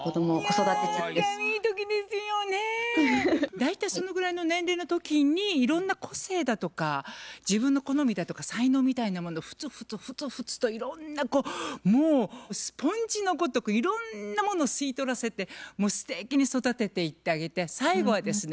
大体そのぐらいの年齢の時にいろんな個性だとか自分の好みだとか才能みたいなものふつふつふつふつといろんなこうもうスポンジのごとくいろんなもの吸い取らせてすてきに育てていってあげて最後はですね